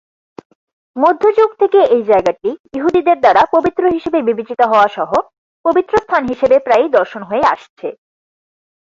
মধ্যযুগ থেকে এই জায়গাটি ইহুদিদের দ্বারা পবিত্র হিসেবে বিবেচিত হওয়া সহ পবিত্র স্থান হিসেবে প্রায়ই দর্শন হয়ে আসছে।